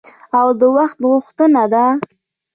او د وخت غوښتنه ده.